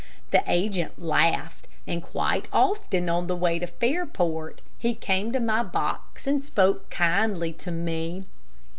The agent laughed, and quite often on the way to Fairport, he came to my box and spoke kindly to me.